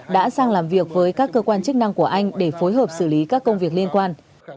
đã sang làm việc với các cơ quan chức năng của anh để phối hợp xử lý các công việc liên quan